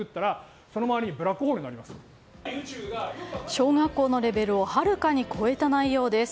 小学校のレベルをはるかに超えた内容です。